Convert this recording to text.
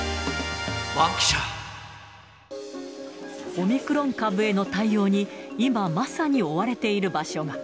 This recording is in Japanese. オミクロン株への対応に、今まさに追われている場所が。